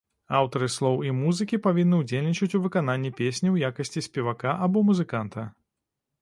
Аўтары слоў і музыкі павінны ўдзельнічаць у выкананні песні ў якасці спевака або музыканта.